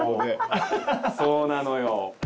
そうなのよ。